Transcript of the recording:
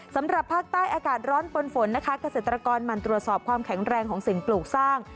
สำหรับภาคใต้อากาศร้อนปนฝนนะคะเกษตรกรหมั่นตรวจสอบความแข็งแรงของสิ่งปลูกสร้าง